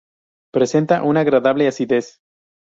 Presenta una agradable acidez.